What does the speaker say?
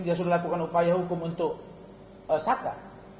dia sudah lakukan upaya hukum untuk satka